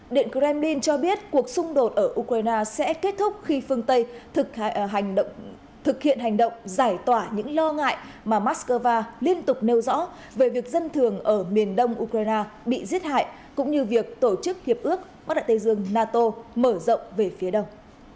điện kremlin cho biết cuộc xung đột ở ukraine sẽ kết thúc khi phương tây thực hiện hành động giải tỏa những lo ngại mà moscow liên tục nêu rõ về việc dân thường ở miền đông ukraine bị giết hại cũng như việc tổ chức hiệp ước bắc đại tây dương nato mở rộng về phía đông